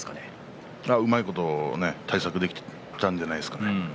うまいこと対策できたんじゃないですかね。